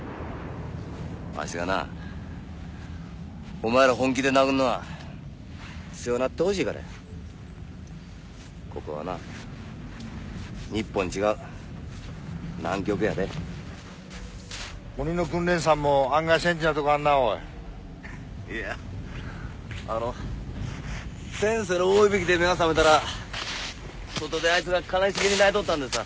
わしがなお前らを本気で殴るのは強うなってほしいからやここはな日本違う南極やで。鬼の訓練士さんも案外センチなとこあんなおいいや先生の大イビキで目が覚めたら外でアイツら悲しげに鳴いとったんですわ